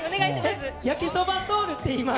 焼きそばソウルっていいます。